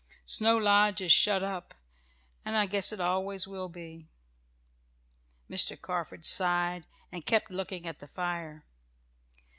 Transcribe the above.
Snow Lodge is shut up, and I guess it always will be." Mr. Carford sighed, and kept looking at the fire.